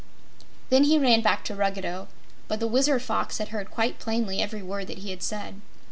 Then he ran back to Ruggedo, but the Wizard Fox had heard quite plainly every word that he had said.